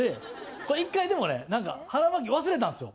これ１回でもね何か腹巻忘れたんですよ。